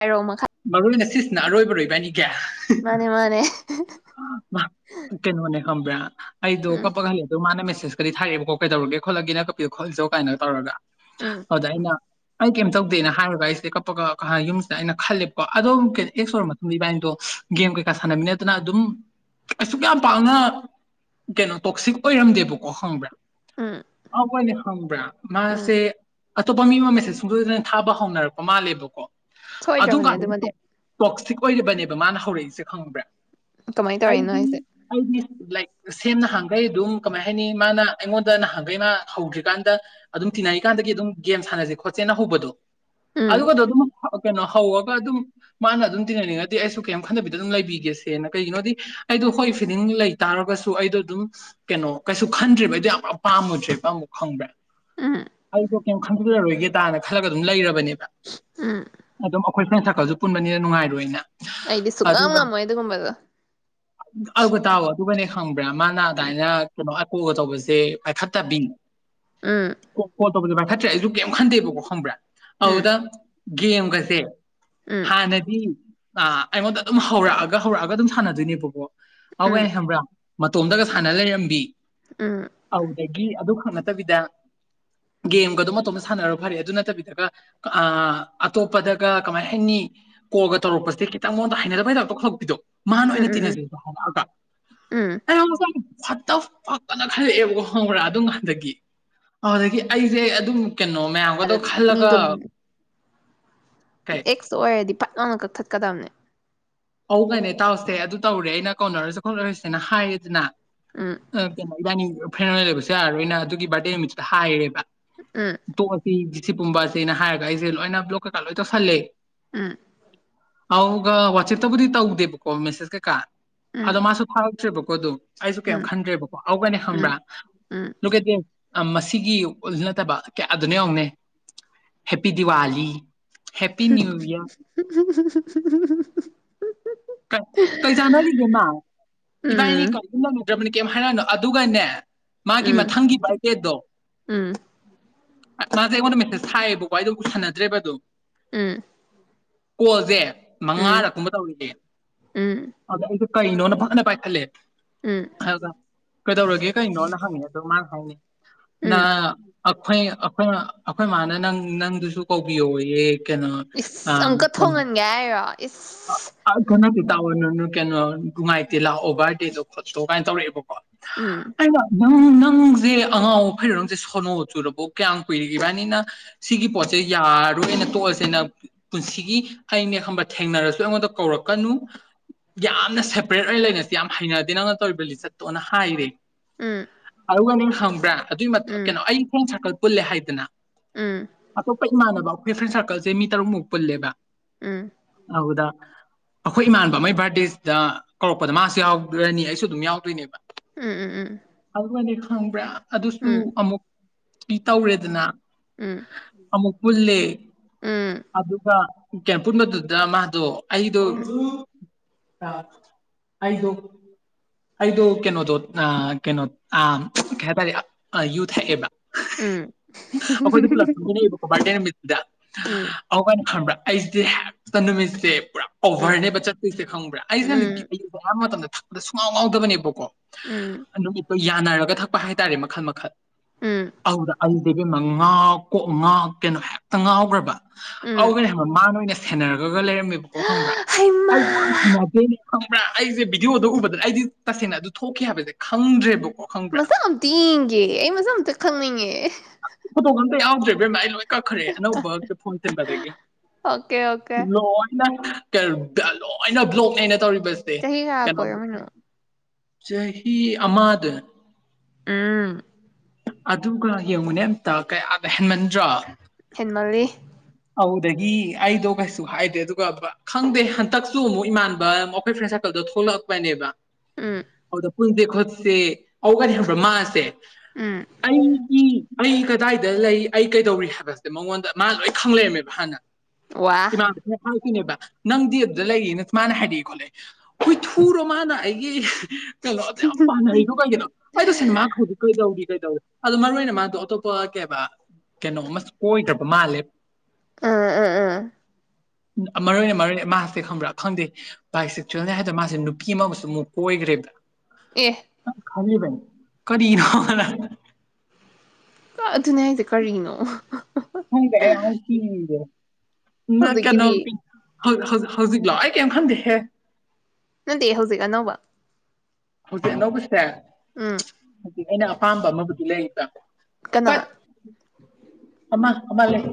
ꯍꯥꯏꯔꯣ ꯃꯈꯥ ꯃꯔꯨ ꯑꯣꯏꯅ ꯁꯤꯁꯦ ꯑꯔꯣꯏ ꯕꯔꯣ ꯏꯕꯥꯟꯅꯤ ꯃꯥꯅꯦ ꯃꯥꯅꯦ ꯀꯩꯅꯣ ꯅꯦ ꯈꯪꯕ꯭ꯔꯥ ꯑꯩꯗꯣ ꯎꯝ ꯀꯞꯄꯒ ꯍꯂꯦ ꯑꯗꯨ ꯃꯥꯅ ꯃꯁ ꯁꯀꯗꯤꯊꯥꯔꯛꯑꯦꯕꯀꯣ ꯀꯤꯖꯧꯔꯒꯦ ꯈꯣꯠꯂꯥꯒꯦ ꯀꯥꯏꯅꯒ ꯇꯧꯔꯥꯒ ꯎꯝ ꯑꯗꯑꯩꯅ ꯑꯩ ꯀꯩꯝ ꯇꯧꯗꯦꯅ ꯍꯥꯏꯔꯒ ꯑꯩꯁꯦ ꯀꯞꯄꯒ ꯌꯨꯝꯁꯤꯗ ꯑꯩꯅ ꯈꯜꯂꯤ ꯑꯗꯨꯝ ꯀꯩ ꯑꯦꯛꯁ ꯕꯥꯏꯗꯣ ꯒꯦꯝ ꯀꯩꯀꯥ ꯁꯥꯟꯅꯃꯤꯅꯗꯅ ꯑꯗꯨꯝ ꯑꯁꯨꯛ ꯌꯥꯝ ꯄꯥꯛꯅ ꯀꯩꯅꯣ ꯇꯣꯛꯁꯤꯛ ꯑꯣꯏꯔꯝꯗꯦꯕꯀꯣ ꯈꯪꯕ꯭ꯔꯥ ꯎꯝ ꯃꯣꯏꯅꯦ ꯈꯪꯕ꯭ꯔꯥ ꯎꯝ ꯃꯥꯁꯦ ꯑꯇꯣꯞꯄ ꯃꯤ ꯃ ꯃꯦꯁꯦꯁ ꯁꯨꯡꯁꯣꯏꯁꯣꯏꯗꯅ ꯊꯥꯕ ꯍꯧꯅꯔꯛꯄ ꯃꯥꯜꯂꯦꯕꯀꯣ ꯑꯗꯨ ꯁꯣꯏꯗ꯭ꯔꯕꯅꯦ ꯀꯟꯗꯗꯤ ꯑꯗꯨꯃꯗꯤ ꯇꯣꯛ ꯇꯣꯛꯁꯤꯛ ꯀꯣꯏꯕꯅꯦꯕ ꯃꯥꯅ ꯍꯧꯔꯛꯏꯁꯦ ꯈꯪꯕ꯭ꯔꯥ ꯀꯃꯥꯏꯅ ꯇꯧꯔꯤꯅꯣ ꯑꯩꯁꯦ ꯁꯦꯝꯅꯍꯥꯡꯈꯩ ꯑꯗꯨꯝ ꯀꯃꯥꯏ ꯍꯥꯏꯅꯤ ꯃꯥꯅ ꯑꯩꯉꯣꯟꯗ ꯅꯍꯥꯟꯈꯩ ꯃꯥ ꯍꯧꯗ꯭ꯔꯤꯀꯥꯟꯗ ꯑꯗꯨꯝ ꯇꯤꯟꯅꯔꯤꯀꯥꯟꯗꯒꯤ ꯑꯗꯨꯝ ꯒꯦꯝ ꯁꯥꯟꯅꯁꯦ ꯈꯣꯠꯁꯦꯅ ꯍꯧꯕꯗꯣ ꯑ ꯎꯝ ꯀꯗꯣ ꯑꯗꯨ [unintelligible] ꯀꯩꯅꯣ ꯍꯧꯔꯒ ꯑꯗꯨꯝ ꯃꯥꯅ ꯑꯗꯨꯝ ꯇꯤꯟꯅꯅꯤꯡꯉꯗꯤ ꯑꯩꯁꯨ ꯀꯩꯝ ꯈꯟꯗꯕꯤꯗ ꯑꯗꯨꯝ ꯂꯩꯕꯤꯒꯦꯁꯦ ꯁꯦꯅ ꯀꯩꯒꯤꯅꯣꯗꯤ ꯑꯩꯗꯣ ꯍꯣꯏ ꯐꯤꯂꯤꯡ ꯂꯩ ꯇꯥꯔꯒꯁꯨ ꯑꯩꯗꯣ ꯑꯗꯨꯝ ꯀꯩꯅꯣ ꯀꯩꯁꯨ ꯈꯟꯗ꯭ꯔꯦꯕ ꯑꯩꯗꯣ ꯌꯥꯝ ꯀꯟ ꯄꯥꯝꯃꯨꯗ꯭ꯔꯦꯕ ꯑꯃꯛ ꯈꯪꯕ꯭ꯔꯥ ꯎꯝ ꯑꯩ ꯀꯝ ꯈꯟꯖꯜꯂꯔꯣꯏꯒꯦꯗꯥꯅ ꯈꯜꯂꯒ ꯑꯗꯨꯝ ꯂꯩꯔꯕꯅꯦ ꯎꯝ ꯑꯗ ꯑꯩꯈꯣꯏ ꯐ꯭ꯔꯦꯟ ꯁ꯭ꯔꯥꯀꯜꯁꯨ ꯄꯨꯟꯕꯥꯅꯤꯅ ꯅꯨꯡꯉꯥꯏꯔꯣꯏꯅ ꯑꯩꯗꯤ ꯁꯛꯉꯝ ꯉꯝꯃꯣꯏ ꯑꯗꯨꯒꯨꯝꯕꯗꯣ ꯑꯒ ꯇꯋꯣ [unintelligible] ꯑꯗꯨꯒꯅꯦ ꯈꯪ [unintelligible] ꯃꯥꯏ ꯑꯗꯥꯏꯅ ꯀꯨꯜ ꯇꯧꯕꯁꯦ ꯄꯥꯏꯈꯠꯇꯕꯤꯅꯤ ꯎꯝ ꯇꯧꯕꯥꯁꯨ ꯄꯥꯏꯈꯠ ꯇ꯭ꯔꯦ ꯑꯩꯖꯨ ꯀꯩꯝ ꯈꯟꯗꯦꯕꯀꯣ ꯈꯪꯕ꯭ꯔꯥ ꯎꯝ ꯍꯧꯗꯝ [unintelligible] ꯒꯦꯝꯒꯁꯦ ꯎꯝ ꯍꯥꯥ ꯅꯗꯤ ꯑꯥ ꯑꯩꯉꯣꯟꯗ ꯑꯗꯨꯝ ꯍꯧꯔꯛꯑꯒ ꯒ ꯍꯧꯔꯛꯑꯒ ꯑꯗꯨꯝ ꯁꯥꯟꯅꯗꯣꯏꯅꯦꯕꯀꯣ ꯎꯝ ꯑꯦꯒꯩꯅ ꯈꯪꯕꯔ ꯃꯇꯣꯝꯗ ꯒ ꯁꯥꯟꯅ ꯂꯩꯔꯝꯕꯤ ꯎꯝ ꯑꯣꯏꯗꯒꯤ ꯑꯗ ꯅꯠꯇꯕꯤꯗ ꯒꯦꯝꯒ ꯑꯗꯨꯝ ꯃꯇꯣꯝꯇ ꯁꯥꯟꯅꯔ ꯐꯔꯦ ꯑꯗꯨ ꯅꯠꯇꯕꯤꯗꯒ ꯒꯦꯝꯒꯗꯨ ꯃꯇꯣꯝ ꯁꯥꯟꯅꯔꯣ ꯑꯗꯨ ꯅꯠ꯭ꯇꯕꯤꯗꯒ ꯑꯥ ꯑꯇꯣꯞꯄꯗꯒ ꯀꯃꯥꯏ ꯍꯥꯏꯅꯤ ꯀꯣꯜꯒ ꯇꯧꯔꯛꯄꯁꯦ ꯈꯤꯇꯪ ꯃꯉꯣꯟꯗ ꯍꯩꯅꯗꯕꯒꯤ ꯇꯥꯄ ꯇꯧꯈꯠ ꯏꯗꯣ ꯃꯥꯅ ꯎꯝ ꯑꯣꯏꯅ ꯎꯝ ꯎꯝ ꯇꯤꯟꯅꯁꯦ ꯍꯥꯏꯔꯛꯑꯒ ꯎꯝ ꯐꯠꯇ ꯄꯛꯀꯅ ꯈꯜꯂꯛꯑꯦꯕꯀꯣ ꯈꯪꯕ꯭ꯔꯥ ꯑꯗꯨꯝ ꯀꯥꯟꯗꯒꯤ ꯑꯗꯨꯗꯒꯤ ꯑꯩꯁꯦ ꯑꯗꯨꯝ ꯀꯩꯅꯣ ꯃꯌꯥꯝꯒꯗꯣ ꯑꯗ ꯈꯜꯂꯒ ꯃꯤꯗꯣ ꯀꯩ ꯑꯦꯛꯁ ꯑꯣꯏꯔꯗꯤ ꯅꯪꯅ ꯀꯠꯊꯠꯀꯗꯕꯅꯦ ꯑꯣꯏꯒꯅꯦ ꯇꯥꯎꯁꯦ ꯑꯗꯨ ꯇꯧꯔꯦ ꯑꯩꯅ ꯀꯧꯅꯔꯁꯦ ꯈꯣꯠꯂꯔꯁꯦꯅ ꯍꯥꯏꯌꯦꯗꯅ ꯎꯝ ꯑꯗꯨꯅꯤ ꯏꯅꯥꯟꯅꯤ ꯐ꯭ꯔꯦꯟ ꯑꯣꯏꯅ ꯂꯩꯕꯁꯨ ꯌꯥꯔꯣꯏꯅ ꯑꯗꯨꯒꯤ ꯕꯥꯔꯗꯦ ꯅꯨꯃꯤꯠꯇꯨꯗ ꯍꯥꯏꯔꯦꯕ ꯎꯝ ꯇꯣ ꯑꯄꯤ ꯁꯤꯒꯨꯝꯕꯁꯅ ꯍꯥꯏꯔꯒ ꯑꯩꯁꯦ ꯂꯣꯏꯅ ꯕ꯭ꯂꯣꯛ ꯀꯩꯀꯥ ꯂꯣꯏ ꯇꯧꯁꯜꯂꯦ ꯑꯝ ꯑꯧꯒ ꯋꯥꯆꯦꯞꯇꯕꯨꯗꯤ ꯇꯧꯗꯦꯕꯀꯣ ꯃꯦꯁꯦꯁ ꯀꯩꯀꯥ ꯎꯝ ꯑꯗꯣ ꯃꯥꯁꯨ ꯊꯥꯎ ꯆꯠꯇꯔꯦꯕ ꯀꯣ ꯑꯗꯨꯝ ꯑꯩꯁꯨ ꯀꯩꯝ ꯎꯝ ꯈꯟꯗ꯭ꯔꯦꯕꯀꯣ ꯑꯎꯒꯅꯦ ꯎꯝ ꯈꯪꯕ꯭ꯔꯥ ꯎꯝ ꯎꯝ ꯀꯩ ꯃꯁꯤꯒꯤ ꯅꯠꯇꯕ ꯀꯌꯥ ꯗꯅꯨ ꯌꯦꯡꯉꯨꯅꯦ ꯍꯦꯄꯤ ꯗꯤꯋꯥꯂꯤ ꯍꯦꯞꯄꯤ ꯅ꯭ꯌꯨ ꯍꯝ ꯌꯔ ꯍꯝ ꯍꯝꯍꯝ ꯀꯩ ꯆꯥꯟꯅꯔꯤꯒꯦ ꯃꯥ ꯎꯝ ꯏꯕꯥꯏꯅꯤ ꯎꯝ ꯀꯔꯤꯒ ꯕꯅꯤ ꯀꯩ ꯍꯥꯏꯔꯛꯅꯣ ꯑꯗꯨꯒꯅꯦ ꯃꯥꯒꯤ ꯎꯝ ꯃꯊꯪꯒꯤ ꯕꯥꯔꯗꯦꯗꯣ ꯑꯁ ꯃꯥꯁꯦ ꯑꯩꯉꯣꯟꯗ ꯃꯦꯁꯦꯁ ꯊꯥꯏꯌꯦꯕꯀꯣ ꯑꯩꯗꯣ ꯎꯁꯤꯟꯅꯗ꯭ꯔꯦꯕꯗꯣ ꯑꯗꯨꯝ ꯎꯝ [inaudible] ꯀꯣꯜꯖꯦ ꯎꯝ ꯃꯉꯥꯗꯛ ꯀꯨꯝꯕ ꯇꯧꯏꯅꯦ ꯎꯝ ꯑ ꯀꯩꯅꯣꯟ ꯐꯠ ꯄꯥꯏꯈꯠꯂꯦ ꯎꯝ ꯑꯒ ꯀꯩꯗꯧꯔꯒꯦ ꯀꯩꯅꯣꯅ ꯍꯪꯉꯦ ꯑꯗꯣ ꯃꯥꯅ ꯍꯥꯏꯅꯤ ꯅꯥ ꯎꯝ ꯑꯩꯈꯣꯏ ꯑꯩꯈꯣꯏ ꯑꯩꯈꯣꯏ ꯃꯥꯅ ꯅꯪ ꯅꯪꯗꯨꯁꯨ ꯀꯧꯕꯤꯌꯣꯌꯦ ꯀꯩꯅꯣ ꯏꯁ ꯑꯃꯨꯛꯀ ꯊꯣꯡꯍꯟꯒꯦ ꯍꯥꯏꯔꯣ ꯏꯁ ꯀꯅꯛꯇꯤ ꯇꯥꯑꯣꯅꯥ ꯀꯩꯅꯣ ꯅꯨꯡꯉꯥꯏꯇꯦ ꯂꯥꯛꯑꯣ ꯕꯔꯗꯦ ꯗꯣ ꯈꯣꯠꯇꯣ ꯀꯥꯏꯅ ꯇꯧꯔꯛꯑꯦꯕ ꯎꯝ ꯅꯪ ꯅꯪꯁꯦ ꯑꯉꯥꯎ ꯑꯐꯩꯔꯪ ꯅꯪꯁꯦ ꯁꯣꯅꯣ ꯆꯨꯔꯥꯕꯣ ꯀꯌꯥꯝ ꯀꯨꯏꯔꯒꯦ ꯏꯕꯅꯤꯅꯥ ꯁꯤꯒꯤ ꯄꯣꯠꯁꯦ ꯌꯥꯔꯣꯏꯅ ꯇꯣꯛꯑꯁꯦꯅ ꯄꯨꯟꯁꯤꯒꯤ ꯍꯥꯏꯅꯦ ꯈꯕ ꯊꯦꯡꯅꯔꯁꯨ ꯑꯩꯉꯣꯟꯗ ꯀꯧꯔꯛꯀꯅꯨ ꯌꯥꯝꯅ ꯁꯦꯄꯔꯦꯠ ꯑꯣꯏꯅ ꯂꯩꯅꯁꯤ ꯌꯥꯝ ꯍꯩꯅꯗꯦ ꯅꯪꯅ ꯇꯧꯔꯤꯕ ꯂꯤꯆꯠꯇꯣꯅ ꯍꯥꯏꯔꯦ ꯎꯝ ꯑꯗꯨꯒꯅꯦ ꯍꯪꯕ꯭ꯔꯥ ꯑꯗꯨꯏ ꯃꯇꯨꯉ ꯀꯩꯅꯣ ꯑꯩ ꯐꯔ꯭ꯦꯟ ꯁꯥꯔꯀꯜ ꯄꯨꯜꯂꯦ ꯍꯥꯏꯗꯅ ꯑꯇꯣꯞꯄ ꯏꯃꯥꯟꯅꯕ ꯐꯔꯦꯟ ꯁꯔꯀꯜ ꯁꯦ ꯃꯤ ꯇꯔꯨꯛ ꯃꯨꯛ ꯄꯨꯜꯂꯦꯕ ꯎꯃ ꯑꯗꯨꯗ ꯑꯩꯈꯣꯏ ꯏꯃꯥꯟꯅꯕꯥ ꯑꯃꯃꯩ ꯕꯥꯔꯗꯦꯁꯤꯗ ꯀꯧꯔꯛꯄꯗ ꯃꯥꯁꯨ ꯌꯥꯎꯔꯅꯤ ꯑꯩꯁꯨ ꯑꯗꯨꯝ ꯌꯥꯎꯗꯣꯏꯅꯦꯕ ꯎꯝ ꯎꯝ ꯎꯝ ꯈꯪꯕꯔꯥ ꯑꯗꯨꯁꯨ ꯑꯃꯨꯛ ꯏ ꯇꯧꯔꯦꯗꯅ ꯑꯃꯨꯛ ꯄꯨꯜꯂꯦ ꯑꯗꯨꯒ ꯀꯌꯥꯝ ꯄꯨꯨꯟꯕꯗꯨꯗ ꯗ ꯃꯥꯗꯣ ꯑꯩꯗꯣ ꯑꯥ ꯑꯩꯗꯣ ꯑꯩꯗꯣ ꯀꯩꯅꯣꯗꯣ ꯅꯥ ꯀꯩꯅꯣ ꯑꯥ ꯀꯩꯍꯥꯏꯇꯥꯔꯦ ꯌꯨ ꯊꯛꯑꯕꯥ ꯑꯈꯣꯏꯗꯣ ꯄꯨꯂꯞ ꯊꯛꯃꯤꯟꯅꯩ ꯑꯕꯥꯀꯣ ꯕꯥꯔꯗꯦ ꯅꯨꯃꯤꯠ ꯗ ꯎꯝ ꯑꯧꯒꯥꯅꯦ ꯈꯡꯕꯔꯥ ꯑꯩꯗꯤ ꯍꯦꯛ ꯇꯥ ꯅꯨꯃꯤꯠꯁꯦ ꯄꯨꯔꯥ ꯑꯣꯚꯔ ꯅꯦꯕꯥ ꯆꯠꯇꯣꯏꯁꯦ ꯈꯪꯕꯔ꯭ ꯑꯩꯁꯦ [inaudible] ꯑꯗ ꯁꯨꯡꯉꯥꯎ ꯉꯥꯎꯗꯕꯅꯦꯕꯀꯣ ꯎꯝ ꯅꯨꯃꯤꯠꯇꯣ ꯌꯥꯅꯔꯒ ꯊꯛꯄ ꯍꯥꯏꯇꯥꯔꯦ ꯃꯈꯜ ꯃꯈꯜ ꯎꯝ ꯑꯋꯧꯗ ꯑꯩꯁꯦ ꯏꯕꯦꯝꯃ ꯉꯥꯎ ꯀꯣꯛ ꯉꯥꯎꯇꯅ ꯍꯦꯛꯇ ꯉꯥꯎꯒꯔꯥꯕ ꯎꯝ ꯑꯧꯒꯅꯦ ꯈꯉꯕ ꯃꯅꯥ ꯑꯣꯏꯅ ꯁꯥ [unintelligible] ꯑꯗꯨꯒ ꯂꯩꯔꯝꯃꯦꯕꯀꯣ ꯈꯪꯡꯕꯔ ꯍꯩꯃꯥ ꯑꯩꯗꯤ ꯔꯥꯝ ꯊꯩꯅꯗꯦ ꯈꯪꯕ꯭ꯔꯥ ꯑꯩꯁꯦ ꯚꯤꯗꯤꯑꯣꯗꯣ ꯎꯕꯗꯅ ꯑꯩꯗꯤ ꯇꯁꯦꯡꯅ ꯑꯗꯨ ꯊꯣꯛꯈꯤ ꯍꯥꯏꯕꯗꯣ ꯈꯪꯗ꯭ꯔꯦꯕ ꯃꯁꯛ ꯑꯝꯇ ꯌꯦꯡꯒꯦ ꯑꯩ ꯃꯁꯛ ꯑꯝꯇ ꯈꯪꯅꯤꯡꯉꯦ ꯄꯣꯇꯣꯒ ꯑꯝꯠ ꯌꯧꯗꯔꯦ ꯏꯕꯦꯝꯃ ꯑꯩ ꯂꯧꯏ ꯀꯛꯈ꯭ꯔꯦ ꯑꯅꯧꯕ ꯐꯣꯟ ꯁꯤꯟꯕꯗꯒꯤ ꯑꯣꯀꯦ ꯑꯣꯀꯦ ꯂꯣꯏꯅ ꯂꯣꯏꯅ ꯕ꯭ꯂꯣꯛꯅꯦ ꯑꯩ ꯇꯧꯔꯤꯕꯁꯦ ꯆꯍꯤ ꯀꯌꯥ ꯀꯩꯅꯣ ꯀꯣꯏꯔꯝꯃꯤꯅꯣ ꯁꯍꯤ ꯑꯃꯗ ꯑꯝ ꯑꯗꯨꯒ ꯌꯦꯡꯉꯨꯅꯦ ꯑꯝꯇ ꯀꯌꯥꯗ ꯍꯦꯟꯃꯟꯗ꯭ꯔꯥ ꯃꯜꯂꯤ ꯑꯗꯨꯗꯒꯤ ꯑꯩꯗꯣ ꯀꯩꯁꯨ ꯍꯥꯏꯗꯔꯦ ꯑꯗꯨꯒ ꯈꯪꯗꯦ ꯍꯟꯇꯛꯁꯨ ꯑꯃꯨꯛ ꯏꯃꯥꯟꯕ ꯑꯩꯈꯣꯏ ꯐ꯭ꯔꯦꯟ ꯁꯔꯀꯜꯗꯣ ꯊꯣꯛꯂꯛꯄꯅꯦꯕ ꯎꯝ [unintelligible] ꯄꯨꯟꯖꯦ ꯈꯣꯠꯁꯦ ꯑꯗꯨꯒꯅꯦ ꯈꯪꯕ꯭ꯔꯥ ꯃꯥꯁꯦ ꯎꯝ ꯑꯩꯒꯤ ꯑꯩ ꯀꯗꯥꯏꯗ ꯂꯩ ꯑꯩ ꯀꯩꯗꯧꯔꯤ ꯍꯥꯏꯕꯁꯦ ꯃꯉꯣꯟꯗ ꯃꯥ ꯂꯣꯏ ꯈꯪꯂꯩꯔꯝꯃꯦꯕ ꯍꯥꯟꯅ ꯋꯥ [unintelligible] ꯅꯦꯕ ꯅꯪꯗꯤ ꯑꯗꯨꯗ ꯂꯩꯌꯦꯅ ꯃꯥꯅ ꯍꯥꯏꯔꯛꯏ ꯈꯣꯠꯂꯦ ꯍꯨꯏꯊꯨꯔꯣ ꯃꯥꯅ ꯑꯩꯒꯤ ꯀꯩꯅꯣ ꯑꯗꯨꯛꯌꯝ ꯄꯥꯝꯅꯔꯤꯗꯣ ꯀꯩꯒꯤꯅꯣ ꯑꯩ ꯇꯥꯁꯦꯡꯅ ꯃꯥꯡꯈꯔ [unintelligible] ꯀꯩꯗꯧꯋꯦ ꯑꯗꯣ ꯃꯔꯨꯑꯣꯏꯅ ꯃꯥꯗꯣ ꯑꯇꯣꯞꯄ ꯀꯩ ꯑꯦꯕ ꯀꯩꯅꯣ ꯑꯃꯁꯨ ꯀꯣꯏꯒ꯭ꯔꯥꯕ ꯃꯥꯜꯂꯦ ꯑꯥ ꯑꯥ ꯑꯥ ꯃꯔꯨꯑꯣꯏꯅ ꯃꯔꯨꯑꯣꯏꯅ ꯃꯥꯁꯦ ꯈꯪꯕ꯭ꯔꯥ ꯈꯪꯗꯦ ꯕꯥꯏ ꯁꯦꯛꯆꯨꯋꯦꯜꯅꯤ ꯍꯥꯏꯗꯣ ꯃꯥꯁꯦ ꯅꯨꯄꯤ ꯑꯃꯒꯁꯨ ꯑꯃꯨꯛ ꯀꯣꯏꯈ꯭ꯔꯦꯕ ꯑꯦ ꯈꯜꯂꯤꯕꯅꯤ ꯀꯔꯤꯅꯣꯅ ꯑꯗꯨꯅꯦ ꯍꯥꯏꯖꯦ ꯀꯔꯤꯅꯣ [unintelligible] ꯍꯧꯖꯤꯛꯀꯤꯗꯤ [unintelligible] ꯍꯧ ꯍꯧ ꯍꯧꯖꯤꯛꯂꯣ ꯑꯩ ꯀꯩꯝ ꯈꯪꯗꯦꯍꯦ ꯅꯠꯇꯦ ꯍꯧꯖꯤꯛ ꯑꯅꯧꯕ ꯍꯧꯖꯤꯛ ꯑꯅꯧꯕꯁꯦ ꯑꯝ ꯑꯩꯅ ꯑꯄꯥꯝꯕ ꯑꯃꯕꯨꯗꯤ ꯂꯩꯕ ꯀꯅꯥ ꯕꯠ ꯑꯃ ꯑꯃ ꯂꯩ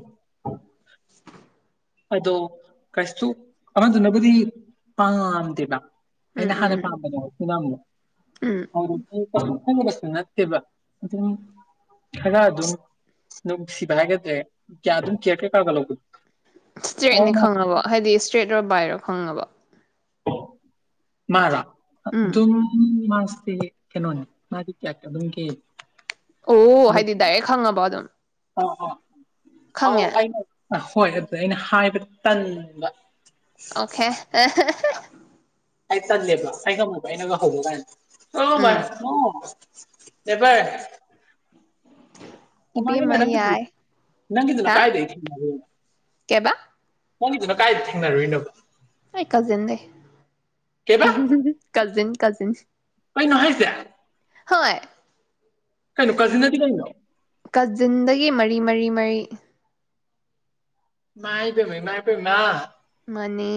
ꯑꯗꯣ ꯀꯩꯁꯨ ꯑꯃꯗꯨꯅꯕꯨꯗꯤ ꯄꯥꯝꯗꯦꯕ ꯎꯝ ꯑꯩꯅ ꯎꯝ ꯍꯥꯟꯅ ꯎꯝ ꯄꯥꯝꯕꯅꯦꯕ ꯎꯝ [unintelligible] [unintelligible] ꯈꯪꯗꯕꯁꯨ ꯅꯠꯇꯦꯕ ꯑꯗꯨꯝ ꯈꯔ ꯑꯗꯨꯝ ꯅꯨꯡꯁꯤꯕ ꯍꯥꯏꯒꯗ꯭ꯔ ꯀꯌꯥ ꯑꯗꯨꯝ ꯀꯦꯌꯔ ꯀꯩꯀꯥꯒ ꯂꯧꯕꯗꯣ ꯏꯁꯇ꯭ꯔꯦꯠꯅꯤ ꯑꯗꯨꯅ ꯈꯪꯉꯕꯣ ꯍꯥꯏꯗꯤ ꯏꯁꯇ꯭ꯔꯦꯠ ꯂꯣ ꯕꯥꯏꯔꯣ ꯐꯪꯉꯕꯣ ꯃꯥꯔꯣ ꯎꯝ ꯑꯗꯨꯝ ꯃꯥ ꯁꯤꯒꯤ ꯀꯩꯅꯣꯅꯦ ꯃꯥꯗꯤ ꯀꯌꯥ ꯑꯗꯨꯝꯒꯤ ꯑꯣꯍꯍ ꯍꯥꯏꯗꯤ ꯗꯥꯏꯔꯦꯛ ꯈꯪꯉꯕꯣ ꯑꯗꯨꯝ ꯑ ꯑ ꯑꯧ ꯈꯪꯉꯦ ꯑꯩꯅ ꯑ ꯍꯣꯏ ꯑꯗꯨꯗ ꯑꯩꯅ ꯍꯥꯏꯕ ꯇꯟꯕ ꯑꯣꯀꯦ ꯑꯍꯦꯍꯦ ꯑꯩ ꯇꯜꯂꯦꯕ ꯑꯩ ꯉꯝꯃꯣꯏꯕ ꯑꯩꯅꯒ ꯍꯧꯕ ꯀꯥꯏꯅ ꯑꯣ ꯃꯥꯏ ꯎꯝ ꯒꯣꯠ ꯅꯦꯚꯔ ꯏꯕꯦꯝꯃ [unintelligible] ꯅꯪꯒꯤ ꯌꯥꯏ ꯅꯪꯒꯤꯗꯨꯅ ꯀꯥꯏꯗꯩ ꯀꯦꯕꯥ ꯃꯣꯏꯒꯤꯗꯨꯅ ꯀꯥꯏꯗ ꯊꯦꯡꯅꯔꯨꯏꯅꯣ ꯑꯩ ꯀꯖꯤꯟ ꯅꯦ ꯀꯩꯕ ꯍꯝ ꯍꯝ ꯀꯖꯤꯟ ꯀꯖꯤꯟꯁ ꯀꯩꯅꯣ ꯍꯥꯏꯖꯦ ꯍꯣꯏ ꯀꯩꯅꯣ ꯀꯖꯤꯟ ꯑꯗꯤ ꯀꯩꯅꯣ ꯕꯤ ꯃꯔꯤ ꯃꯔꯤ ꯏꯃꯥꯏꯄꯦꯝꯃ ꯏꯃꯥꯏꯄꯦꯝꯃ ꯃꯥꯅꯦ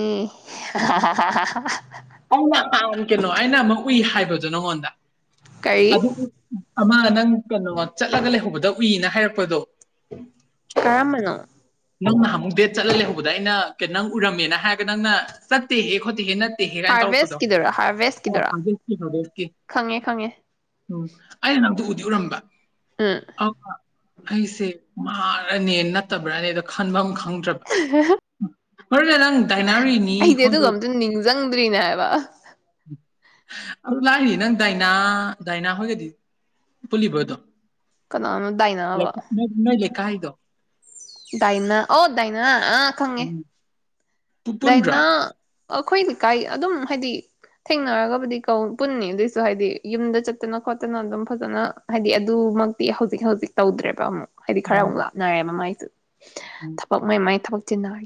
ꯍꯥꯍꯥꯍꯥ ꯑꯧ ꯌꯥꯝ ꯄꯥꯝ ꯀꯩꯅꯣ ꯑꯩꯅ ꯑꯃ ꯎꯏ ꯍꯥꯏꯕꯗꯣ ꯅꯪꯉꯣꯟꯗ ꯀꯔꯤ ꯑꯗꯨ ꯑꯃ ꯅꯪ ꯀꯩꯅꯣ ꯆꯠꯂꯒ ꯂꯩꯍꯧꯕꯗ ꯎꯏꯌꯦꯅ ꯍꯥꯏꯔꯛꯄꯗꯣ ꯀꯔꯝꯕꯅꯣ ꯅꯪ ꯉꯍꯥꯃꯨꯛ ꯗꯦꯠ ꯆꯠꯂ ꯂꯩꯍꯧꯕꯗ ꯑꯩꯅ ꯀꯩꯅ ꯅꯪ ꯎꯔꯝꯃꯦꯅ ꯍꯥꯏꯔꯒ ꯅꯪꯅ ꯆꯠꯇꯦꯍꯦ ꯈꯣꯠꯇꯦꯍꯦ ꯅꯠ ꯇꯦꯅ ꯇꯧꯔꯛꯄꯗꯣ ꯍꯥꯔꯚꯦꯁꯀꯤꯗꯨꯔꯥ ꯍꯥꯔꯚꯦꯁꯀꯤꯗꯨꯔꯥ ꯈꯪꯉꯦ ꯈꯪꯉꯦ [unintelligible] ꯑꯩꯅ ꯅꯪꯗꯣ ꯎꯗꯤ ꯎꯔꯝꯕ ꯎꯝ ꯑ ꯑꯩꯁꯦ ꯃꯥꯔꯅꯦ ꯅꯠꯇꯕ꯭ꯔꯅꯦꯗꯣ ꯈꯥꯟꯕꯝ ꯈꯪ ꯈꯪꯗꯔꯕ [unintelligible] ꯑꯩꯗꯤ ꯑꯗꯨꯒ ꯑꯃꯇ ꯅꯤꯡꯁꯤꯡꯗ꯭ꯔꯤꯅꯦ ꯍꯥꯏꯕ ꯑꯗꯨ ꯂꯥꯏꯔꯤ ꯅꯪ ꯗꯥꯏꯅꯥ ꯗꯥꯏꯅꯥ ꯍꯣꯏꯒꯗꯤ ꯄꯨꯜꯂꯤꯕꯣ ꯑꯗꯨꯝ ꯀꯅꯥꯅꯣ ꯗꯥꯏꯅꯥꯕꯣ ꯀꯥꯏꯗꯣ ꯗꯏꯅꯥ ꯑꯣ ꯗꯥꯏꯅꯥ ꯑ ꯈꯪꯉꯦ ꯄꯨꯟꯗ꯭ꯔꯥ ꯗꯥꯏꯅ ꯑꯩꯈꯣꯏ ꯂꯩꯀꯥꯏ ꯑꯗꯨꯝ ꯍꯥꯏꯗꯤ ꯊꯦꯡꯅꯔꯒꯕꯨꯗꯤ ꯀꯧ ꯄꯨꯟꯅꯤ ꯑꯗꯨꯏꯁꯨ ꯍꯥꯏꯗꯤ ꯌꯨꯝꯗ ꯆꯠꯇꯅ ꯈꯣꯠꯇꯅ ꯑꯗꯨꯝ ꯐꯖꯅ ꯍꯥꯏꯗꯤ ꯑꯗꯨꯃꯛꯇꯤ ꯍꯧꯖꯤꯛ ꯍꯧꯖꯤꯛ ꯇꯧꯗ꯭ꯔꯦꯕ ꯑꯃꯨꯛ ꯍꯥꯏꯗꯤ ꯈꯔ ꯎꯝ ꯋꯥꯞꯅꯔꯦ ꯃꯥꯏꯖ ꯑꯗꯨ ꯎꯝ ꯊꯕꯛ ꯃꯥꯏ ꯃꯥꯏ ꯊꯕꯛ ꯆꯦꯅꯥꯏ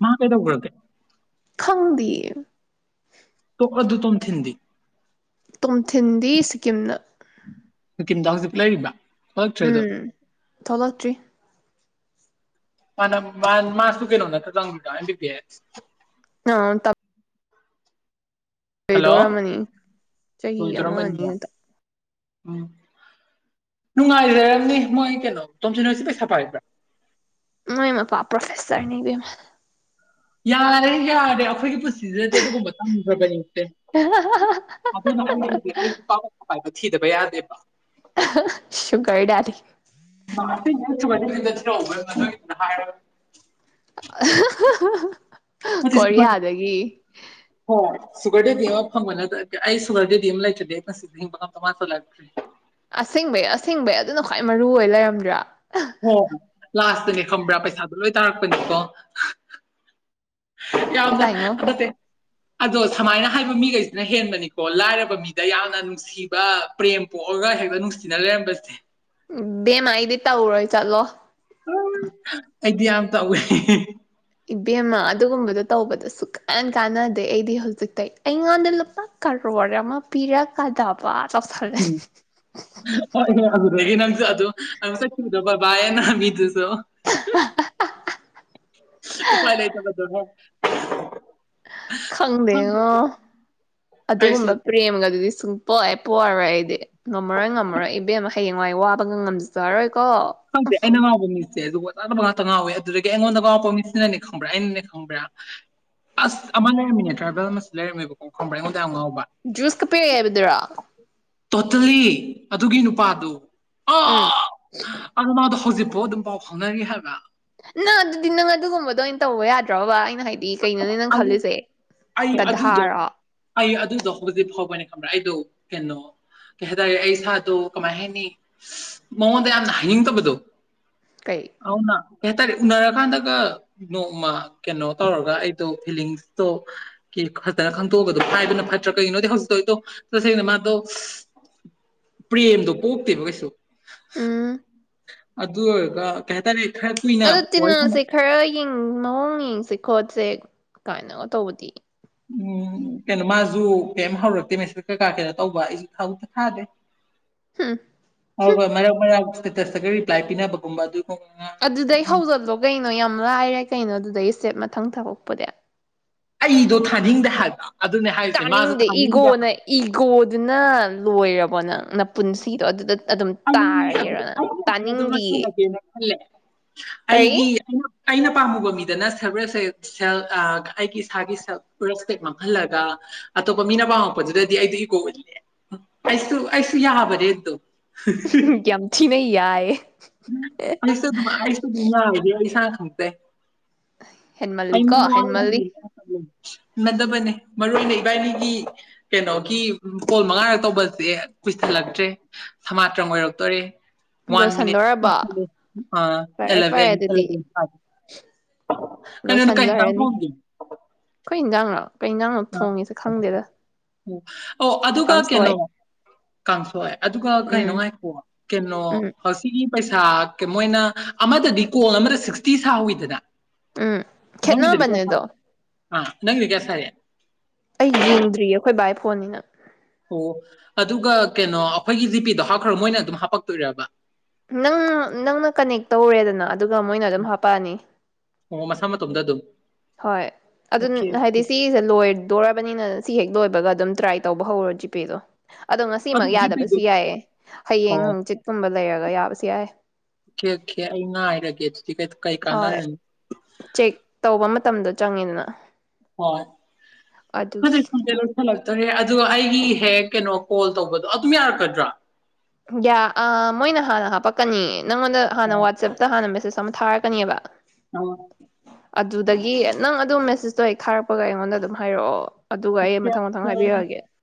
ꯃꯥ ꯀꯩꯗꯧꯒꯔꯥꯒꯦ ꯈꯪꯗꯤꯌꯦ ꯇꯣ ꯑꯗꯣ ꯇꯣꯝꯊꯤꯟꯗꯤ ꯇꯣꯝꯊꯤꯟꯗꯤ ꯁꯤꯀꯤꯝꯗ ꯁꯤꯀꯤꯝꯗ ꯍꯨꯖꯤꯛ ꯂꯩꯔꯤꯕ ꯊꯣꯛꯂꯛꯇ꯭ꯔꯦꯗꯣ ꯎꯝ ꯊꯣꯂꯛꯇ꯭ꯔꯤ ꯃꯥꯅ ꯃꯥ ꯃꯥꯁꯨ ꯀꯩꯅꯣ ꯅꯠꯇꯔꯣ ꯇꯝꯒ꯭ꯔꯤꯗꯣ ꯑꯦꯝ ꯕꯤ ꯕꯤ ꯑꯦꯁ ꯑ ꯇꯝ ꯍꯜꯂꯣ ꯂꯣꯏꯗꯧꯔꯝꯃꯅꯤ ꯆꯍꯤ ꯑꯃ ꯂꯣꯏꯗꯣꯔꯝꯃꯅꯤꯌꯦ ꯑꯅꯤꯗꯨꯗ ꯎꯝ ꯅꯨꯡꯉꯥꯏꯖꯔꯝꯅꯤ ꯃꯣꯏ ꯀꯩꯅꯣ ꯇꯣꯝꯊꯤꯟ ꯍꯣꯏꯁꯦ ꯄꯩꯁꯥ ꯄꯥꯏꯕ꯭ꯔꯥ ꯃꯥꯏ ꯃꯄꯥ ꯄ꯭ꯔꯣꯐꯦꯁꯔꯅꯤ ꯏꯕꯦꯝꯃ ꯌꯥꯔꯦ ꯌꯥꯔꯦ ꯑꯩꯈꯣꯏꯒꯤ ꯄꯨꯟꯁꯤ ꯁꯤꯗꯤ ꯑꯗꯨ ꯑꯗꯨꯒꯨꯝꯕ ꯇꯝꯗꯔꯕꯅꯤꯁꯦ [unintelligible] ꯊꯤꯗꯕ ꯌꯥꯗꯦꯕ ꯁꯨꯒꯔꯗꯦꯗꯤ [unintelligible] ꯀꯣꯔꯤꯌꯥꯗꯒꯤ ꯁꯨꯒꯔꯗꯦꯗꯤ ꯑꯃ ꯐꯪꯕ ꯅꯠꯇꯔꯗꯤ ꯑꯩ ꯁꯨꯒꯔꯗꯦꯗꯤ ꯂꯩꯇꯔꯗꯤ ꯑꯩ ꯀꯁꯨꯕꯤ ꯄꯨꯟꯁꯤꯁꯦ ꯍꯤꯡꯕ ꯉꯝꯗꯧ ꯃꯥꯟꯖꯜꯂꯛꯇꯔꯦ ꯑꯁꯦꯡꯕꯩ ꯑꯁꯦꯡꯕꯩ ꯑꯗꯨꯅ ꯈ꯭ꯋꯥꯏ ꯃꯔꯨ ꯑꯣꯏ ꯂꯩꯔꯝꯗ꯭ꯔꯥ [unintelligible] ꯅꯦ ꯈꯪꯕꯔꯥ ꯄꯩꯁꯥꯗꯣ ꯂꯣꯏ ꯇꯥꯔꯛꯄꯅꯦꯀꯣ ꯌꯥꯝꯅ ꯇꯥꯏꯉꯣ ꯅꯠꯇꯦ ꯑꯗꯣ ꯁꯥꯃꯥꯏꯅ ꯍꯥꯏꯕ ꯃꯤꯈꯩꯁꯤꯅ ꯍꯦꯟꯕꯅꯤꯀꯣ ꯂꯥꯏꯔꯕ ꯃꯤꯗ ꯌꯥꯝꯅ ꯅꯨꯡꯁꯤꯕ ꯄ꯭ꯔꯦꯝ ꯄꯣꯛꯑꯒ ꯍꯦꯛꯇ ꯅꯨꯡꯁꯤꯅ ꯂꯩꯔꯝꯕꯁꯦ ꯎꯝ ꯏꯕꯦꯝꯃꯥ ꯑꯩꯗꯤ ꯇꯧꯔꯣꯏ ꯆꯠꯂꯣ ꯑꯩꯗꯤ ꯌꯥꯝ ꯇꯧꯋꯦ ꯍꯦ ꯍꯦ ꯍꯦ ꯏꯕꯦꯝꯃ ꯑꯗꯨꯒꯨꯝꯕꯗꯣ ꯇꯧꯕꯗ ꯁꯨꯛꯀꯥꯟ ꯀꯥꯟꯅꯗꯦ ꯑꯩꯗꯤ ꯍꯧꯖꯤꯛꯇꯩ ꯑꯩꯉꯣꯟꯗ ꯂꯨꯄꯥ ꯀꯔꯣꯔ ꯑꯃ ꯄꯤꯔꯛꯀꯗꯕ ꯇꯧꯁꯜꯂꯦ [unintelligible] ꯑꯗꯨꯗꯒꯤ ꯅꯪꯁꯨ ꯑꯗꯨꯝ ꯆꯠꯈꯤꯕꯗꯣ ꯕꯕꯥꯏꯑꯦꯅ ꯃꯤꯗꯨꯁꯨ [unintelligible] ꯎꯄꯥꯎ ꯂꯩꯇꯕꯗꯣ ꯈꯪ [unintelligible] ꯈꯪꯗꯦꯉꯣ ꯑꯩꯁꯨ ꯑꯗꯨꯒꯨꯝꯕ ꯄ꯭ꯔꯦꯝꯒꯗꯨꯗꯤ ꯁꯨꯡ ꯄꯣꯛ ꯑꯦ ꯄꯣꯛꯑꯥꯔꯣꯏ ꯑꯩꯗꯤ ꯉꯝꯃꯔꯣꯏ ꯉꯝꯃꯔꯣꯏ ꯏꯕꯦꯝꯃꯥ ꯍꯌꯦꯡꯋꯥꯏ ꯋꯥꯕꯒ ꯉꯝꯖꯔꯔꯣꯏ ꯈꯪꯗꯦ ꯑꯩꯅ ꯉꯥꯎꯕ ꯃꯤꯁꯦ ꯖꯨꯒꯣꯠ ꯆꯥꯗꯕ ꯉꯥꯛꯇ ꯉꯥꯎꯋꯦ ꯑꯗꯨꯗꯒꯤ ꯑꯩꯉꯣꯟꯗ ꯉꯥꯎꯔꯛꯄ ꯃꯤꯁꯤꯅꯅꯦ ꯈꯪꯕꯔꯥ ꯑꯩꯅꯅꯦ ꯈꯪꯕꯔꯥ ꯑꯁ ꯑꯃꯥ ꯂꯩꯔꯝꯃꯤꯅꯦ ꯇ꯭ꯔꯥꯏꯕꯦꯜ ꯑꯃꯁꯨ ꯂꯩꯔꯝꯃꯦꯕꯀꯣ ꯈꯪꯕꯔꯥ ꯑꯩꯉꯣꯟ ꯖꯨꯁꯀ ꯄꯤꯔꯛꯑꯦ ꯍꯥꯏꯕꯗꯨꯔꯣ ꯇꯣꯇꯦꯜꯂꯤ ꯑꯗꯨꯒꯤ ꯅꯨꯄꯥꯗꯨ ꯎꯝ ꯑꯗ ꯃꯥꯗꯣ ꯍꯧꯖꯤꯛꯐꯥꯎ ꯑꯗꯨꯝ ꯄꯥꯎ ꯐꯥꯎꯅꯔꯤ ꯍꯥꯏꯕ ꯅꯪ ꯑꯗꯨꯗꯤ ꯅꯪ ꯑꯗꯨꯒꯨꯝꯕꯗꯣ ꯑꯣꯏꯅ ꯇꯧꯕ ꯌꯥꯗꯔꯣꯕ ꯑꯩꯅ ꯍꯥꯏ ꯑꯩ ꯑꯩ ꯑꯗꯨꯗꯣ ꯒꯙꯥꯔꯣ ꯑꯩ ꯑꯗꯨꯗꯣ ꯍꯧꯖꯤꯛ ꯐꯥꯎꯕꯅꯦ ꯈꯪꯕꯔꯥ ꯑꯩꯗꯣ ꯀꯩꯅꯣ ꯀꯩ ꯍꯥꯏꯇꯥꯔꯦ ꯑꯩ ꯏꯁꯥꯗꯣ ꯀꯃꯥꯏ ꯍꯥꯏꯅꯤ ꯃꯉꯣꯟꯗ ꯌꯥꯝꯅ ꯍꯥꯏꯅꯤꯡꯗꯕꯗꯣ ꯀꯩ ꯑꯧꯅ ꯀꯩ ꯍꯥꯏꯇꯥꯔꯦ ꯎꯅꯔꯀꯥꯟꯗꯒ ꯅꯣꯡꯃ ꯀꯩꯅꯣ ꯇꯧꯔꯒ ꯑꯩꯗꯣ ꯐꯤꯂꯤꯡꯁꯇꯣ ꯀꯤ ꯐꯖꯅ ꯈꯪꯗꯣꯛꯑꯒꯗꯣ ꯍꯥꯏꯕꯅ ꯐꯠꯇ꯭ꯔꯥ ꯀꯩꯒꯤꯅꯣꯗꯤ ꯍꯧꯖꯤꯛꯇꯣ ꯑꯩꯗꯣ ꯇꯁꯦꯡꯅ ꯃꯥꯗꯣ ꯄ꯭ꯔꯦꯝꯗꯣ ꯄꯣꯛꯇꯦꯕ ꯀꯩꯁꯨ ꯎꯝ ꯑꯗꯨ ꯑꯣꯏꯔꯒ ꯀꯩ ꯍꯥꯏꯇꯥꯅꯤ ꯑꯗꯣ ꯇꯤꯅꯥꯁꯦ ꯈꯔ ꯌꯦꯡ ꯃꯑꯣꯡ ꯌꯦꯡꯁꯦ ꯈꯣꯠꯁꯦ ꯀꯥꯏꯅꯒ ꯇꯧꯕꯗꯤ ꯎꯝ ꯀꯩꯅꯣ ꯃꯥꯖꯨ ꯀꯩꯝ ꯍꯧꯔꯛꯇꯦ ꯃꯦꯁꯦꯠꯁ ꯀꯩꯀꯥ ꯀꯩꯅꯣ ꯇꯧꯕ ꯑꯩꯁꯨ ꯍꯧꯗꯦ ꯊꯥꯗꯦ ꯍꯝ ꯑꯗꯨꯒ ꯃꯔꯛ-ꯃꯔꯛ ꯏꯁꯇꯦꯇꯁꯇꯒ ꯔꯤꯄ꯭ꯂꯥꯏ ꯄꯤꯅꯕꯒꯨꯝꯕ ꯑꯗꯨ ꯑꯗꯨꯗꯩ ꯍꯧꯖꯤꯜꯂꯣ ꯀꯩꯅꯣ ꯌꯥꯝ ꯂꯥꯏꯔꯦ ꯀꯩꯅꯣ ꯑꯗꯨꯗꯒꯤ ꯁꯇꯦꯞ ꯃꯊꯪ ꯊꯃꯛꯄꯗꯤ ꯑꯩꯗꯣ ꯊꯥꯅꯤꯡꯗꯦ ꯍꯥꯏꯕ ꯑꯗꯨꯅꯦ ꯍꯥꯏꯔꯤꯁꯦ ꯃꯥꯁꯨ ꯇꯥꯅꯤꯡꯗꯦ ꯊꯥꯅꯤꯡꯗꯦ ꯏꯒꯣꯅ ꯍꯥꯏꯕ ꯏꯒꯣꯗꯨꯅ ꯂꯣꯏꯔꯕꯣ ꯅꯪ ꯄꯨꯟꯁꯤꯗꯣ ꯑꯗꯨꯗ ꯑꯗꯨꯝ ꯑꯩ ꯇꯥꯔꯒꯦꯔꯥ ꯑꯩ ꯑꯗꯨꯝ ꯇꯥꯅꯤꯡꯗꯤꯌꯦ ꯂꯣꯏꯁꯤꯜꯂꯒꯦꯅ ꯈꯜꯂꯦ ꯀꯔꯤ ꯑꯩꯒꯤ ꯑꯩꯅ ꯄꯥꯝꯃꯨꯕ ꯃꯤꯗꯅ ꯁꯕꯔꯦꯁ ꯁꯦꯜ ꯁꯦꯐ ꯑ ꯑꯩꯒꯤ ꯏꯁꯥꯒꯤ ꯁꯦꯜꯐ ꯔꯦꯁꯄꯦꯛ ꯃꯥꯡꯍꯜꯂꯒ ꯑꯇꯣꯞꯄ ꯃꯤꯅ ꯄꯥꯝꯃꯛꯄꯗꯨꯗꯗꯤ ꯑꯩꯗꯨ ꯏꯒꯣꯒꯗꯤꯅꯦ ꯑꯩꯁꯨ ꯑꯩꯁꯨ ꯌꯥꯕꯅꯦꯗꯨꯝ ꯌꯥꯝ ꯊꯤꯅ ꯌꯥꯏꯌꯦ ꯑꯩꯁꯨ ꯑꯗꯨꯝ ꯑꯩꯁꯨ ꯑꯗꯨꯝ ꯌꯥꯕꯅꯦ ꯏꯁꯥꯅ ꯈꯡꯇ꯭ꯔꯦ ꯑꯩꯗꯤ ꯍꯦꯟꯃꯜꯂꯤꯀꯣ ꯃꯋꯥ ꯍꯦꯟꯃꯜꯂꯤ ꯂꯧꯕꯤꯗꯦ ꯏꯕꯦꯝꯃ ꯅꯗꯕꯅꯦ ꯃꯔꯨ ꯑꯣꯏꯅ ꯏꯕꯥꯏꯅꯤꯒꯤ ꯀꯅꯣꯒꯤ ꯀꯣꯜ ꯃꯉꯥꯔꯛ ꯇꯧꯕꯁꯦ ꯀꯨꯏꯁꯤꯜꯂꯛꯇ꯭ꯔꯦ ꯁꯃꯥꯇ꯭ꯔꯪ ꯑꯣꯏꯔꯛꯇꯣꯔꯦ ꯂꯣꯏꯁꯟꯗꯣꯔ ꯌꯥꯔꯕꯣ ꯑ ꯑꯦꯂꯚꯦꯟ ꯑꯦꯂꯚꯦꯟ ꯍꯥꯏ ꯀꯩꯅꯣ ꯀꯩ ꯍꯦꯟꯖꯥꯡ ꯊꯣꯡꯒꯦ ꯈꯣꯏ ꯍꯦꯟꯖꯥꯡꯂꯣ ꯑ ꯑꯣ ꯑꯣ ꯑꯗꯨꯒ ꯀꯦꯅꯣ ꯀꯥꯡꯁꯣꯏ ꯀꯥꯡꯁꯣꯏ ꯑꯗꯨꯒ ꯎꯝ ꯀꯩꯅꯣ ꯉꯥꯏꯈꯨꯋꯣ ꯀꯦꯅꯣ ꯎꯝ ꯉꯁꯤꯒꯤ ꯄꯩꯁꯥ ꯀ ꯃꯣꯏꯅ ꯑꯃꯗꯗꯤ ꯀꯣꯜ ꯑꯃꯗ ꯁꯤꯛꯁꯇꯤ ꯁꯥꯍꯧꯋꯤꯗꯅ ꯎꯝ ꯈꯦꯠꯅꯕꯅꯦ ꯑꯗꯣ ꯑ ꯅꯪꯒꯤꯗ ꯀꯌꯥ ꯁꯔꯛꯑꯦ ꯑꯩ ꯌꯦꯡꯗ꯭ꯔꯤꯌꯦ ꯑꯩꯈꯣꯏ ꯕꯥꯏ ꯐꯣꯟꯅꯤꯅ ꯑꯣ ꯑꯗꯨꯒ ꯀꯦꯅꯣ ꯑꯩꯈꯣꯏꯒꯤ ꯖꯤꯄꯦꯗꯣ ꯍꯥꯞꯈ꯭ꯔꯒ ꯃꯣꯏꯅ ꯑꯗꯨꯝ ꯍꯥꯞꯄꯛꯇꯣꯏꯔꯕ ꯅꯪ ꯅꯪꯅ ꯀꯅꯦꯛ ꯇꯧꯔꯦꯗꯅ ꯑꯗꯨꯒ ꯃꯣꯏꯅ ꯑꯗꯨꯝ ꯍꯥꯄꯛꯑꯅꯤ ꯑꯣ ꯃꯁꯥ ꯃꯇꯣꯝꯗ ꯑꯗꯨꯝ ꯍꯣꯏ ꯑꯗꯨꯝ ꯑꯣꯀꯦ ꯑꯣꯀꯦ ꯍꯥꯏꯗꯤ ꯁꯤꯁꯦ ꯂꯣꯏ ꯗꯣꯔꯕꯅꯤꯅ ꯁꯤ ꯍꯦꯛ ꯂꯣꯏꯕꯒ ꯑꯗꯨꯝ ꯇ꯭ꯔꯥꯏ ꯇꯧꯕ ꯍꯧꯔꯣ ꯖꯤꯄꯦꯗꯣ ꯑꯗꯣ ꯑꯗꯨ ꯉꯁꯤꯃꯛ ꯖꯤꯄꯦꯗꯣ ꯌꯥꯗꯕꯁꯨ ꯌꯥꯏꯌꯦ ꯍꯌꯦꯡ ꯑꯣ ꯍꯪꯆꯤꯠꯀꯨꯝꯕ ꯂꯩꯔꯒ ꯌꯥꯕ ꯁꯨ ꯌꯥꯏ ꯀꯦ ꯀꯦ ꯑꯩ ꯉꯥꯏꯔꯒꯦ ꯀꯩ ꯀꯩ ꯍꯣꯏ ꯀꯥꯟꯅꯔꯅꯤ ꯆꯦꯛ ꯇꯧꯕ ꯃꯇꯝꯗ ꯆꯪꯉꯤꯅ ꯍꯣꯏ [unintelligible] ꯇꯔꯦ ꯑꯗꯨꯒ ꯑꯩꯒꯤ ꯍꯦꯛ ꯀꯅꯣ ꯀꯣꯜ ꯇꯧꯕꯗꯣ ꯑꯗꯨꯝ ꯌꯥꯔꯛꯀꯗ꯭ꯔꯥ ꯌꯥ ꯑ ꯃꯣꯏꯅ ꯍꯥꯟꯅ ꯍꯥꯞꯄꯛꯀꯅꯤ ꯅꯪꯉꯣꯟꯗ ꯍꯥꯟꯅ ꯑꯣ ꯋꯥꯆꯞꯇ ꯍꯥꯟꯅ ꯃꯦꯁꯦꯁ ꯑꯃ ꯊꯥꯔꯛꯀꯅꯦꯕ ꯑ ꯑꯗꯨꯗꯒꯤ ꯅꯪ ꯑꯗꯨꯝ ꯃꯦꯁꯦꯁꯇꯣ ꯍꯦꯛ ꯊꯥꯔꯛꯄꯒ ꯑꯩꯉꯣꯟꯗ ꯑꯗꯨꯝ ꯍꯥꯏꯔꯛꯑꯣ ꯑꯗꯨꯒ ꯑꯩ ꯑꯣꯀꯦ ꯃꯊꯪ ꯃꯊꯪ ꯑꯣꯀꯦ ꯍꯥꯏꯕꯤꯔꯛꯑꯒꯦ